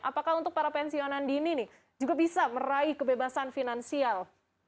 apakah untuk para pensiunan dini nih juga bisa meraih kebebasan finansial